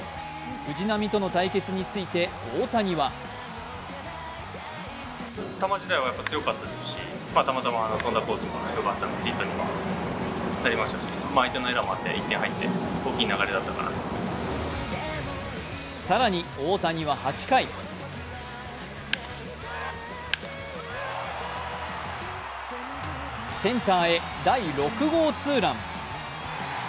藤浪との対決について、大谷は更に大谷は８回センターへ第６号ツーラン。